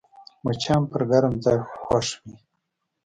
مچان پر ګرم ځای خوښ وي